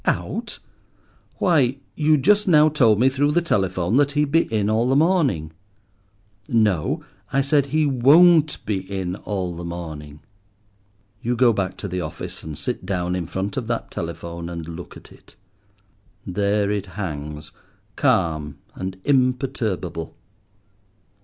"Out? Why, you just now told me through the telephone that he'd be in all the morning." "No, I said, he 'won't be in all the morning.'" You go back to the office, and sit down in front of that telephone and look at it. There it hangs, calm and imperturbable.